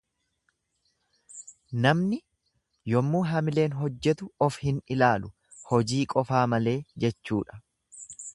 Namni yemmuu hamileen hojjetu of hin ilaalu hojii qofaa malee jechuudha.